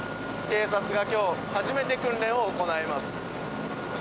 警察がきょう、初めて訓練を行います。